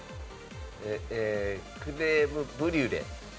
えークレームブリュレ。